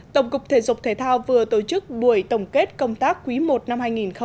tổng cục thể dục thể thao vừa tổ chức buổi tổng kết công tác quý i năm hai nghìn một mươi chín